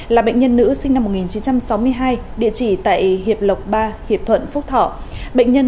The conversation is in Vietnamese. là bệnh nhân nữ sinh năm một nghìn chín trăm sáu mươi hai địa chỉ tại một trăm linh sáu nguyễn như con tung nhân chính thanh xuân